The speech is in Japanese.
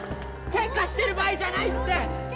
ケンカしてる場合じゃないって！